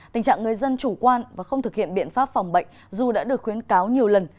tình trạng người dân chủ quan và không thực hiện biện pháp phòng bệnh dù đã được khuyến cáo nhiều lần